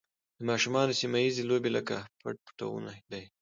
د ماشومانو سیمه ییزې لوبې لکه پټ پټونی دي.